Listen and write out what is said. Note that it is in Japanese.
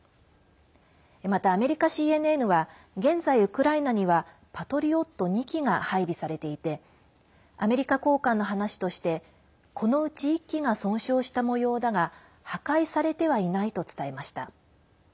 またアメリカＣＮＮは現在、ウクライナには「パトリオット」２機が配備されていてアメリカ高官の話としてこのうち１機が損傷したもようだが破壊されてはいないと伝えました。